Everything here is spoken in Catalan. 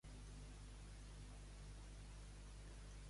On va acabar el seu ull?